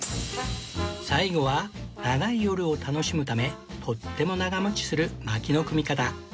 最後は長い夜を楽しむためとっても長持ちする薪の組み方